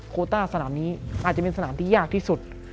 โคต้าสนามนี้อาจจะเป็นสนามที่ยากที่สุด